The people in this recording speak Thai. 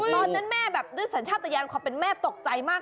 ตอนนั้นแม่แบบด้วยสัญชาติยานความเป็นแม่ตกใจมาก